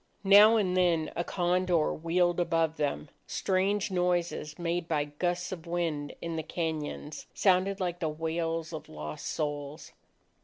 Now and then, a condor wheeled above them. Strange noises, made by gusts of wind in the cañons, sounded like the wails of lost souls.